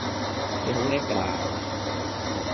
你好叻㗎啦